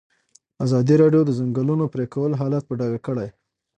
ازادي راډیو د د ځنګلونو پرېکول حالت په ډاګه کړی.